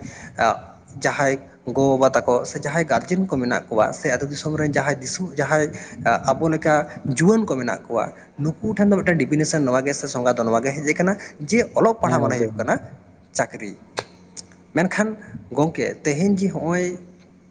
ᱡᱟᱦᱟᱸᱭ ᱜᱚ ᱵᱟᱵᱟ ᱛᱟᱠᱚ ᱥᱮ ᱡᱟᱦᱟᱸᱭ ᱜᱟᱨᱡᱮᱱ ᱠᱚ ᱢᱮᱱᱟᱜ ᱠᱚᱣᱟ᱾ ᱥᱮ ᱟᱹᱛᱩ ᱫᱤᱥᱚᱢ ᱨᱮᱱ ᱡᱟᱦᱟᱸᱭ ᱫᱤᱥᱚᱢ ᱡᱟᱦᱟᱸᱭ ᱟᱵᱚ ᱞᱮᱠᱟ ᱡᱩᱣᱟᱹᱱ ᱠᱚ ᱢᱮᱱᱟᱜ ᱠᱚᱣᱟ᱾ ᱱᱩᱠᱩ ᱴᱷᱮᱱ ᱫᱚ ᱢᱤᱫᱴᱮᱱ ᱰᱤᱯᱷᱤᱱᱮᱥᱚᱱ ᱱᱚᱣᱟ ᱜᱮ ᱥᱮ ᱥᱚᱝᱜᱟ ᱫᱚ ᱱᱚᱣᱟ ᱜᱮ ᱦᱮᱡ ᱠᱟᱱᱟ᱾ ᱡᱮ ᱚᱞᱚᱜ ᱦᱮᱸ ᱯᱟᱲᱦᱟᱜ ᱢᱟᱱᱮ ᱜᱚᱝᱠᱮ ᱦᱩᱭᱩᱜ ᱠᱟᱱᱟ ᱪᱟᱹᱠᱨᱤ᱾ ᱢᱮᱱᱠᱷᱟᱱ ᱜᱚᱝᱠᱮ ᱛᱮᱦᱮᱧ ᱡᱮ ᱦᱚᱜᱼᱚᱭ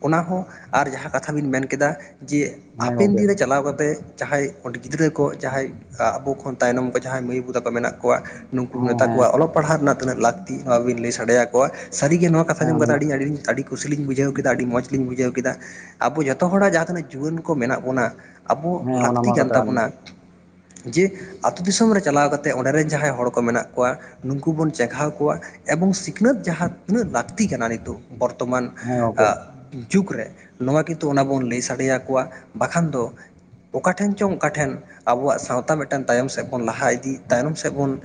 ᱚᱱᱟ ᱦᱚᱸ ᱟᱨ, ᱡᱟᱦᱟᱸ ᱠᱟᱛᱷᱟ ᱵᱮᱱ ᱢᱮᱱ ᱠᱮᱫᱟ ᱡᱮ ᱦᱮᱸ ᱦᱟᱯᱮᱱ ᱜᱚᱝᱠᱮ ᱫᱤᱱ ᱦᱮᱸ ᱨᱮ ᱪᱟᱞᱟᱣ ᱠᱟᱛᱮᱜ ᱡᱟᱦᱟᱸᱭ ᱚᱸᱰᱮ ᱜᱤᱫᱽᱨᱟᱹ ᱠᱚ, ᱡᱟᱦᱟᱸᱭ ᱟᱵᱚ ᱠᱷᱚᱱ ᱛᱟᱭᱱᱚᱢ ᱠᱚ ᱡᱟᱦᱟᱸᱭ ᱢᱟᱹᱭ ᱵᱟᱵᱩ ᱛᱟᱠᱚ ᱢᱮᱱᱟᱜ ᱠᱚᱣᱟ ᱱᱩᱠᱩ ᱢᱮᱛᱟ ᱦᱮᱸ ᱠᱚ ᱟᱠᱚᱣᱟᱜ ᱚᱞᱚᱜ ᱯᱟᱲᱦᱟᱜ ᱨᱮᱱᱟᱜ ᱛᱤᱱᱟᱹᱜ ᱞᱟᱹᱠᱛᱤ ᱱᱚᱣᱟ ᱵᱤᱱ ᱞᱟᱹᱭ ᱥᱟᱰᱮ ᱟᱠᱚᱣᱟ᱾ ᱥᱟᱹᱨᱤ ᱜᱮ ᱱᱚᱣᱟ ᱠᱟᱛᱷᱟ ᱦᱮᱸ ᱟᱡᱚᱢ ᱚᱱᱟ ᱠᱟᱛᱮᱫ ᱢᱟ ᱟᱹᱰᱤ ᱟᱹᱰᱤ ᱟᱹᱰᱤ ᱠᱩᱥᱤ ᱞᱤᱧ ᱵᱩᱡᱷᱟᱹᱣ ᱠᱮᱫᱟ, ᱟᱹᱰᱤ ᱢᱚᱡᱽ ᱞᱤᱧ ᱵᱩᱡᱷᱟᱹᱣ ᱠᱮᱫᱟ, ᱟᱵᱚ ᱡᱚᱛᱚ ᱦᱚᱲᱟᱜ ᱡᱟᱦᱟᱸ ᱛᱤᱱᱟᱜ ᱡᱩᱣᱟᱹᱱ ᱠᱚ ᱢᱮᱱᱟᱜ ᱵᱚᱱᱟ᱾ ᱟᱵᱚ ᱦᱮᱸ ᱚᱱᱟ ᱞᱟᱹᱠᱛᱤ ᱢᱟ ᱠᱟᱱ ᱠᱟᱛᱷᱟ ᱜᱮ ᱛᱟᱵᱚᱱᱟ᱾ ᱡᱮ ᱟᱛᱳ ᱫᱤᱥᱚᱢ ᱨᱮ ᱪᱟᱞᱟᱣ ᱠᱟᱛᱮ ᱚᱸᱰᱮ ᱨᱮᱱ ᱡᱟᱦᱟᱸᱭ ᱦᱚᱲ ᱠᱚ ᱢᱮᱱᱟᱜ ᱠᱚᱣᱟ ᱱᱩᱠᱩ ᱵᱚᱱ ᱪᱮᱜᱷᱟᱣ ᱠᱚᱣᱟ᱾ ᱮᱵᱚᱝ ᱥᱤᱠᱷᱱᱟᱹᱛ ᱡᱟᱦᱟᱸ ᱛᱤᱱᱟᱹᱜ ᱞᱟᱹᱠᱛᱤ ᱠᱟᱱᱟ ᱱᱤᱛᱚᱜ, ᱵᱚᱨᱛᱚᱢᱟᱱ ᱦᱮᱸ ᱜᱚᱝᱠᱮ ᱡᱩᱜᱽ ᱨᱮ ᱱᱚᱣᱟ ᱜᱮ ᱠᱤᱱᱛᱩ ᱚᱱᱟ ᱵᱚᱱ ᱞᱟᱹᱭ ᱥᱟᱰᱮᱭᱟᱠᱚᱣᱟ᱾ ᱵᱟᱠᱷᱟᱱ ᱫᱚ ᱚᱠᱟᱴᱷᱮᱱ ᱪᱚᱝ ᱚᱠᱟ ᱴᱷᱮᱱ ᱟᱵᱚᱣᱟᱜ ᱥᱟᱶᱛᱟ ᱢᱤᱫᱴᱮᱱ ᱛᱟᱭᱚᱢ ᱥᱮᱫ ᱵᱚᱱ ᱞᱟᱦᱟ ᱤᱫᱤ, ᱛᱟᱭᱚᱢ ᱥᱮᱫ ᱵᱚᱱ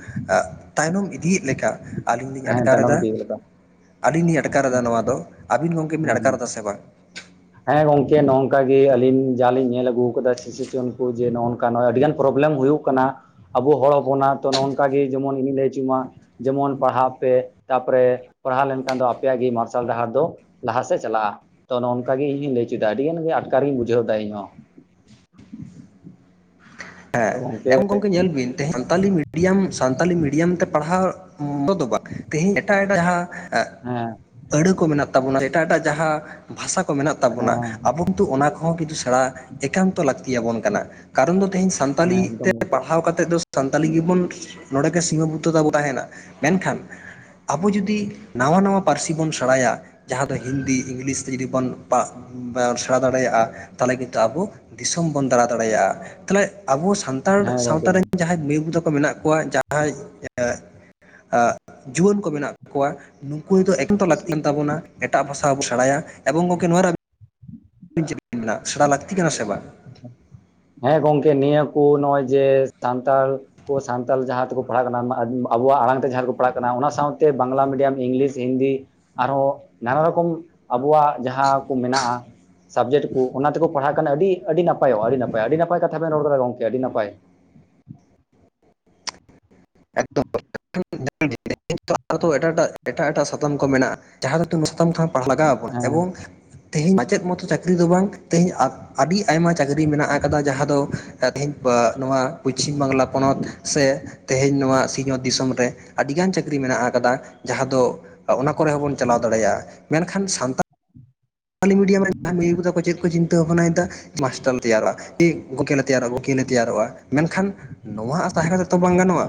ᱛᱟᱭᱱᱚᱢ ᱤᱫᱤᱭᱮᱫ ᱞᱮ ᱠᱟ ᱟᱹᱞᱤᱧ ᱞᱤᱧ ᱦᱮᱸ ᱟᱴᱠᱟᱨ ᱛᱟᱭᱱᱚᱢ ᱮᱫᱟ ᱤᱫᱤ ᱞᱮᱠᱟ ᱟᱹᱞᱤᱧ ᱞᱤᱧ ᱟᱴᱠᱟᱨ ᱮᱫᱟ ᱱᱚᱣᱟ ᱫᱚ᱾ ᱟᱵᱤᱱ ᱜᱚᱢᱠᱮ ᱵᱤᱱ ᱦᱮᱸ ᱟᱴᱠᱟᱨ ᱮᱫᱟ ᱥᱮ ᱵᱟᱝ? ᱦᱮᱸ ᱜᱚᱝᱠᱮ ᱱᱚᱜᱼ ᱱᱚᱝᱠᱟ ᱜᱮ ᱟᱹᱞᱤᱧ ᱡᱟ ᱞᱤᱧ ᱧᱮᱞ ᱟᱹᱜᱩ ᱠᱟᱫᱟ ᱥᱤᱥᱤᱨᱡᱚᱱ ᱠᱚ ᱡᱮ ᱱᱚᱜᱼᱚ ᱱᱚᱝᱠᱟ, ᱱᱚᱜᱼᱚᱭ ᱟᱹᱰᱤᱜᱟᱱ ᱯᱨᱚᱵᱞᱮᱢ ᱦᱩᱭᱩᱜ ᱠᱟᱱᱟ ᱟᱵᱚ ᱦᱚᱲ ᱦᱚᱯᱚᱱᱟᱜ ᱛᱚ ᱱᱚᱼᱚ ᱱᱚᱝᱠᱟ ᱜᱮ ᱡᱮᱢᱚᱱ ᱤᱧᱤᱧ ᱞᱟᱹᱭ ᱦᱚᱪᱚ ᱢᱟ ᱡᱮᱢᱚᱱ ᱯᱟᱲᱦᱟᱜ ᱯᱮ, ᱛᱟᱨᱯᱚᱨᱮ ᱯᱟᱲᱦᱟᱣ ᱞᱮᱱᱠᱷᱟᱱ ᱫᱚ ᱟᱯᱮᱭᱟᱜ ᱜᱮ ᱢᱟᱨᱥᱟᱞ ᱰᱟᱦᱟᱨ ᱫᱚ᱾ ᱞᱟᱦᱟ ᱥᱮᱫ ᱪᱟᱞᱟᱜᱼᱟ᱾ ᱛᱚ ᱱᱚᱝᱠᱟ ᱜᱮ ᱤᱧ ᱞᱟᱹᱭᱪᱚᱭᱮᱫᱟ ᱟᱹᱰᱤ ᱜᱟᱱ ᱜᱮ ᱟᱴᱠᱟᱨᱤᱧ ᱵᱩᱡᱷᱟᱹᱣ ᱮᱫᱟ ᱤᱧᱦᱚᱸ ᱛᱚ ᱜᱚᱝᱠᱮ ᱦᱮᱸ ᱧᱮᱞ ᱵᱤᱱ ᱥᱟᱱᱛᱟᱞᱤ ᱢᱤᱰᱤᱭᱟ ᱥᱟᱱᱛᱟᱞᱤ ᱢᱤᱰᱤᱭᱟᱢ ᱛᱮ ᱯᱟᱲᱦᱟᱣ ᱫᱚ ᱵᱟᱝ ᱛᱤᱦᱤᱧ ᱮᱴᱟᱜ ᱮᱴᱟᱜ ᱡᱟᱦᱟ ᱮᱜ ᱦᱮ ᱟᱹᱲᱟᱹ ᱠᱚ ᱢᱮᱱᱟᱜ ᱛᱟᱵᱚᱱᱟ ᱮᱴᱟᱜ ᱮᱴᱟᱜ ᱡᱟᱦᱟ ᱵᱷᱟᱥᱟ ᱠᱚ ᱢᱮᱱᱟᱜ ᱦᱮᱸ ᱛᱟᱵᱚᱱᱟ ᱦᱮᱸ ᱟᱵᱚ ᱛᱩ ᱚᱱᱟ ᱠᱚᱦᱚ ᱠᱤᱛᱩ ᱥᱮᱬᱟ ᱮᱠᱟᱱᱛᱚ ᱞᱟᱹᱠᱛᱤ ᱭᱟᱵᱚᱱ ᱠᱟᱱᱟ ᱠᱟᱨᱚᱱ ᱫᱚ ᱛᱮᱦᱮᱧ ᱦᱮᱸ ᱥᱟᱱᱛᱟᱞᱤ ᱮᱠᱫᱚᱢ ᱛᱮ ᱜᱚᱝᱠᱮ ᱯᱟᱲᱦᱟᱣ ᱠᱟᱛ ᱛᱮᱫᱚ ᱫᱚ ᱥᱟᱱᱛᱟᱞᱤ ᱜᱮᱵᱚᱱ ᱱᱚᱰᱮ ᱜᱮ ᱥᱤᱢᱟᱹ ᱵᱩᱴᱟᱹ ᱫᱚ ᱛᱟᱦᱮᱱᱟ ᱢᱮᱱᱠᱷᱟᱱ ᱟᱵᱚ ᱡᱩᱫᱤ ᱱᱟᱣᱟ ᱱᱟᱣᱟ ᱯᱟᱹᱨᱥᱤ ᱵᱚᱱ ᱥᱮᱬᱟᱭᱟ ᱡᱟᱦᱟ ᱫᱚ ᱦᱤᱱᱫᱤ ᱤᱝᱞᱤᱥ ᱛᱮ ᱡᱩᱫᱤ ᱵᱚᱱ ᱯᱟᱥ ᱥᱮᱬᱟ ᱫᱟᱲᱮᱭᱟᱜᱼᱟ ᱛᱟᱦᱚᱞᱮ ᱠᱤᱱᱛᱩ ᱟᱵᱚ ᱫᱤᱥᱚᱢ ᱵᱚᱱ ᱫᱟᱬᱟ ᱫᱟᱲᱮᱭᱟᱜᱼᱟ ᱛᱟᱦᱚᱞᱮ ᱟᱵᱚ ᱥᱟᱱᱛᱟᱲ ᱦᱮᱸ ᱜᱚᱝᱠᱮ ᱥᱟᱶᱛᱟ ᱨᱮᱱ ᱦᱮᱸ ᱡᱟᱦᱟᱸᱭ ᱢᱟᱹᱭ ᱵᱟᱵᱩ ᱛᱟᱠᱚ ᱢᱮᱱᱟᱜ ᱠᱚᱣᱟ ᱡᱟᱦᱟᱸᱭ ᱡᱩᱣᱟᱹᱱ ᱠᱚ ᱢᱮᱱᱟᱜ ᱠᱚᱣᱟ ᱱᱩᱠᱩ ᱫᱚ ᱮᱠᱛᱚ ᱞᱟᱹᱠᱛᱤ ᱠᱟᱱ ᱛᱟᱵᱚᱱᱟ ᱮᱴᱟᱜ ᱵᱷᱟᱥᱟ ᱦᱚᱸᱵᱚ ᱥᱮᱬᱟᱭᱟ ᱮᱵᱚᱝ ᱜᱚᱝᱠᱮ ᱱᱚᱣᱟᱣᱮ ᱥᱮᱬᱟ ᱞᱟᱹᱠᱛᱤ ᱠᱟᱱᱟ ᱥᱮ ᱵᱟᱝ ᱦᱮ ᱜᱚᱝᱠᱮ ᱱᱤᱭᱟᱹ ᱠᱚ ᱱᱚᱜᱼᱚᱭ ᱡᱮ ᱥᱟᱱᱛᱟᱞ ᱠᱚ ᱥᱟᱱᱛᱟᱞ ᱡᱟᱦᱟ ᱛᱮᱠᱚ ᱯᱟᱲᱦᱟᱜ ᱠᱟᱱᱟ ᱟᱵᱚᱣᱟᱜ ᱟᱲᱟᱝ ᱛᱮ ᱡᱟᱦᱟ ᱨᱮᱠᱚ ᱯᱟᱲᱦᱟᱜ ᱠᱟᱱᱟ ᱚᱱᱟ ᱥᱟᱶᱛᱮ ᱵᱟᱝᱞᱟ ᱢᱤᱰᱤᱭᱟᱢ ᱤᱝᱞᱤᱥ ᱦᱤᱱᱫᱤ ᱟᱨᱚ ᱱᱟᱱᱟ ᱨᱚᱠᱚᱢ ᱟᱵᱚᱣᱟᱜ ᱡᱟᱦᱟ ᱠᱚ ᱢᱮᱱᱟᱜᱼᱟ ᱥᱟᱵᱡᱮᱠᱴ ᱠᱚ ᱚᱱᱟ ᱛᱮᱠᱚ ᱯᱟᱲᱦᱟᱜ ᱠᱟᱱᱟ ᱟᱹᱰᱤ ᱟᱹᱰᱤ ᱱᱟᱯᱟᱭᱚᱜᱼᱟ ᱟᱹᱰᱤ ᱱᱟᱯᱟᱭ ᱟᱹᱰᱤ ᱱᱟᱯᱟᱭ ᱠᱟᱛᱷᱟ ᱵᱮᱱ ᱨᱚᱲ ᱠᱟᱫᱟ ᱜᱚᱝᱠᱮ ᱟᱹᱰᱤ ᱱᱟᱯᱟᱭ [unintelligible] [unintelligible] ᱟᱨ ᱛᱚ ᱮᱴᱟᱜ ᱮᱴᱟᱜ ᱮᱴᱟᱜ ᱮᱴᱟᱜ ᱥᱟᱛᱟᱢ ᱠᱚ ᱢᱮᱱᱟᱜᱼᱟ ᱡᱟᱦᱟ ᱚᱱᱟ ᱥᱟᱛᱟᱢ ᱛᱮᱦᱳᱢ ᱯᱟᱲ ᱞᱟᱜᱟᱣᱵᱚᱱ ᱦᱮᱸ ᱮᱵᱚᱝ ᱛᱮᱦᱮᱧ ᱢᱟᱪᱮᱫ ᱢᱚᱛᱚ ᱪᱟᱹᱠᱨᱤ ᱫᱚ ᱵᱟᱝ ᱛᱮᱦᱮᱧ ᱟᱹᱰᱤ ᱟᱭᱢᱟ ᱪᱟᱹᱠᱨᱤ ᱢᱮᱱᱟᱜ ᱟᱠᱟᱫᱟ ᱡᱟᱦᱟ ᱫᱚ ᱛᱮᱦᱮᱧ ᱮ ᱱᱚᱣᱟ ᱯᱚᱪᱷᱤᱢ ᱵᱟᱝᱞᱟ ᱯᱚᱱᱚᱛ ᱥᱮ ᱛᱮᱦᱮᱧ ᱱᱚᱣᱟ ᱥᱤᱧᱚᱛ ᱫᱤᱥᱚᱢ ᱨᱮ ᱟᱹᱰᱤᱜᱟᱱ ᱪᱟᱹᱠᱨᱤ ᱢᱮᱱᱟᱜ ᱟᱠᱟᱫᱟ ᱡᱟᱦᱟ ᱫᱚ ᱚᱱᱟ ᱠᱚᱨᱮ ᱦᱚᱸᱵᱚᱱ ᱪᱟᱞᱟᱣ ᱫᱟᱲᱮᱭᱟᱜᱼᱟ ᱢᱮᱱᱠᱷᱟᱱ ᱥᱟᱱᱛᱟᱲ ᱞᱤᱢᱤᱰᱭᱟᱢ ᱨᱮ ᱡᱟᱦᱟᱸᱭ ᱢᱟᱹᱭ ᱵᱟᱵᱩ ᱛᱟᱠᱚ ᱪᱤᱫ ᱠᱳ ᱪᱤᱱᱛᱟᱹ ᱵᱷᱟᱵᱱᱟᱭᱫᱟ ᱠᱮᱞᱟᱥ ᱴᱟᱱ ᱛᱮᱭᱟᱨᱚᱜᱼᱟ ᱠᱤ ᱜᱚᱠᱮ ᱞᱮ ᱛᱮᱭᱟᱨᱚᱜᱼᱟ ᱜᱚᱠᱮ ᱞᱮ ᱛᱮᱭᱟᱨᱚᱜᱼᱟ ᱢᱮᱱᱠᱷᱟᱱ ᱱᱚᱣᱟᱜ ᱟᱥ ᱛᱟᱦᱮ ᱠᱟᱛᱮ ᱛᱚ ᱵᱟᱝ ᱜᱟᱱᱚᱜᱼᱟ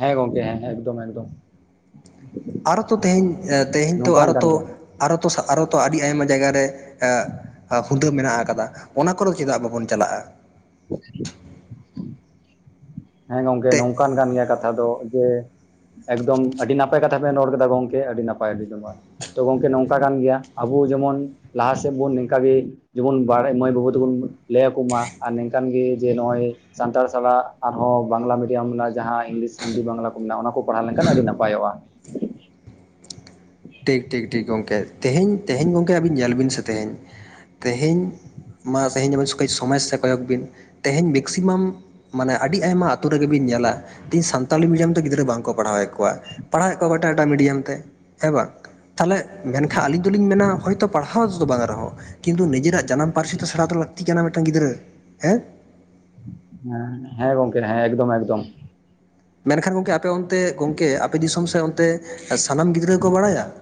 ᱦᱮ ᱜᱚᱝᱠᱮ ᱦᱮ ᱮᱠᱫᱚᱢ ᱮᱠᱫᱚᱢ ᱟᱨᱚ ᱛᱚ ᱛᱮᱦᱮᱧ ᱮ ᱛᱮᱦᱮᱧ ᱱᱚᱝᱠᱟᱱ ᱟᱨᱚ ᱠᱟᱱ ᱜᱮᱭᱟ ᱛᱚ ᱟᱨᱚ ᱛᱚ ᱟᱹᱰᱤ ᱟᱭᱢᱟ ᱡᱟᱭᱜᱟᱨᱮ ᱮᱜ ᱮ ᱯᱷᱩᱫᱟᱢ ᱢᱮᱱᱟᱜ ᱟᱠᱟᱫᱟ ᱚᱱᱟ ᱠᱚᱨ ᱫᱚ ᱪᱮᱫᱟᱜ ᱵᱟᱵᱚᱱ ᱪᱟᱞᱟᱜᱼᱟ ᱦᱮ ᱜᱚᱝᱠᱮ ᱛᱮ ᱱᱚᱝᱠᱟᱱ ᱠᱟᱱ ᱜᱮᱭᱟ ᱠᱟᱛ ᱫᱚ ᱡᱮ ᱮᱠᱫᱚᱢ ᱟᱹᱰᱤ ᱱᱟᱯᱟᱭ ᱠᱟᱛᱷᱟ ᱵᱮᱱ ᱨᱚᱲ ᱠᱮᱫᱟ ᱜᱚᱝᱠᱮ ᱟᱹᱰᱤ ᱱᱟᱯᱟᱭ ᱟᱹᱰᱤ ᱱᱟᱯᱟᱦ ᱛᱚ ᱜᱚᱝᱠᱮ ᱱᱚᱝᱠᱟ ᱠᱟᱱ ᱜᱮᱭᱟ ᱟᱵᱚ ᱡᱮᱢᱚᱱ ᱞᱟᱦᱟ ᱥᱮᱫ ᱵᱚᱱ ᱱᱤᱝᱠᱟᱜ ᱜᱮ ᱡᱮᱢᱚᱱ ᱵᱟᱲᱟᱭ ᱢᱟᱹᱭ ᱵᱟᱹᱵᱩ ᱛᱮᱠᱚ ᱞᱟᱹᱭ ᱟᱠᱚ ᱢᱟ ᱟᱨ ᱱᱤᱝᱠᱟᱱ ᱜᱮ ᱡᱮ ᱱᱚᱜᱼᱚᱭ ᱥᱟᱱᱛᱟᱲ ᱥᱟᱞᱟᱜ ᱟᱨᱦᱚᱸ ᱵᱟᱝᱞᱟ ᱢᱤᱰᱤᱭᱟᱢ ᱨᱮᱱᱟᱜ ᱡᱟᱦᱟᱸ ᱤᱝᱞᱤᱥ ᱦᱤᱱᱫᱤ ᱵᱟᱝᱞᱟ ᱠᱚ ᱢᱮᱱᱟᱜᱼᱟ ᱚᱱᱟ ᱠ ᱠᱚᱨᱟᱣ ᱞᱮᱱᱠᱷᱟᱱ ᱟᱹᱰᱤ ᱱᱟᱯᱟᱭᱚᱜᱼᱟ ᱴᱷᱤᱠ ᱴᱷᱤᱠ ᱴᱷᱤᱠ ᱜᱚᱝᱠᱮ ᱛᱮᱦᱮᱧ ᱛᱮᱦᱮᱧ ᱜᱚᱝᱠᱮ ᱟᱵᱮᱱ ᱧᱮᱞ ᱵᱮᱥ ᱜᱚᱢᱠᱮ ᱟᱹᱵᱤᱱ ᱧᱮᱞ ᱵᱤᱱ ᱥᱮ ᱛᱮᱦᱮᱧ ᱛᱮᱦᱮᱧ ᱢᱟ ᱛᱮᱦᱮᱧ ᱟᱵᱤᱱ ᱛᱮᱦᱮ ᱥᱚᱢᱚᱥ ᱥᱟ ᱠᱚᱭᱚᱠ ᱵᱤᱱ ᱛᱮᱦᱮᱧ ᱢᱮᱠᱥᱤᱢᱟᱢ ᱢᱟᱱᱮ ᱟᱹᱰᱤ ᱟᱭᱢᱟ ᱟᱹᱛᱩ ᱨᱮᱜᱮᱵᱤᱱ ᱧᱮᱞᱟ ᱛᱮᱦᱤᱧ ᱥᱟᱱᱛᱟᱞᱤ ᱢᱤᱰᱤᱭᱟᱢ ᱛᱮ ᱜᱤᱫᱽᱨᱟᱹ ᱵᱟᱝᱠᱚ ᱯᱟᱲᱦᱟᱣᱮᱫ ᱠᱚᱣᱟ ᱯᱟᱲᱦᱟᱣᱮᱫ ᱠᱚᱣᱟ ᱠᱳ ᱮᱴᱟᱜ ᱮᱴᱟᱜ ᱢᱤᱰᱤᱭᱟᱢ ᱛᱮ ᱦᱮᱸ ᱵᱟᱝ ᱛᱟᱦᱚᱞᱮ ᱢᱮᱱᱠᱷᱟᱱ ᱟᱞᱤᱧ ᱫᱚ ᱞᱤᱧ ᱢᱮᱱᱟ ᱦᱚᱳᱭᱛᱚ ᱯᱟᱲᱦᱟᱣ ᱫᱚ ᱵᱟᱝ ᱨᱮᱦᱚ ᱠᱤᱱᱛᱩ ᱱᱤᱡᱮᱨᱟᱜ ᱡᱟᱱᱟᱢ ᱯᱟᱹᱨᱥᱤ ᱫᱚ ᱥᱮᱬᱟ ᱫᱚ ᱞᱟᱹᱠᱛᱤᱜ ᱠᱟᱱᱟ ᱢᱤᱫᱴᱟᱝ ᱜᱤᱫᱽᱨᱟᱹ ᱦᱮ ᱦᱮᱸ ᱦᱮᱸ, ᱜᱚᱝᱠᱮ ᱦᱮᱸ ᱮᱠᱫᱚᱢ ᱮᱠᱫᱚᱢ ᱢᱮᱱᱠᱷᱟᱱ ᱜᱚᱢᱠᱮ ᱟᱯᱮ ᱚᱱᱛᱮ ᱜᱚᱢᱠᱮ, ᱟᱯᱮ ᱫᱤᱥᱚᱢ ᱥᱮ ᱚᱱᱛᱮ ᱥᱟᱱᱟᱢ ᱜᱤᱫᱽᱨᱟᱹ ᱠᱚ ᱵᱟᱲᱟᱭᱟ ᱾ [inaudible]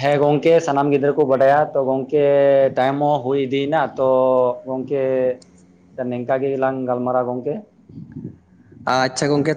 ᱦᱮᱸ ᱜᱚᱢᱠᱮ ᱥᱟᱱᱟᱢ ᱜᱤᱫᱽᱨᱟᱹ ᱠᱚ ᱵᱟᱰᱟᱭᱟ ᱛᱚ ᱜᱚᱢᱠᱮ ᱴᱟᱭᱤᱢ ᱦᱚᱸ ᱦᱩᱭ ᱤᱫᱤᱭᱮᱱᱟ ᱛᱚ ᱜᱚᱝᱠᱮ ᱱᱤᱝᱠᱟ ᱜᱮᱞᱟᱝ ᱜᱟᱞ ᱢᱟᱨᱟᱣᱟ ᱜᱚᱝᱠᱮ ᱟᱪᱪᱷᱟ ᱜᱚᱢᱠᱮ ᱛᱟ